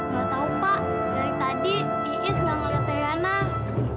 gak tahu pak dari tadi iis gak ngeliat yana